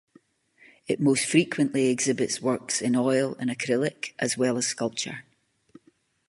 It most frequently exhibits works in oil and acrylic, as well as sculpture.